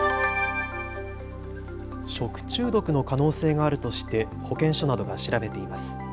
食中毒の可能性があるとして保健所などが調べています。